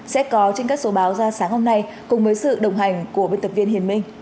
sẽ có trên các số báo ra sáng hôm nay cùng với sự đồng hành của biên tập viên hiền minh